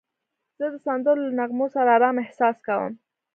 زه د سندرو له نغمو سره آرام احساس کوم.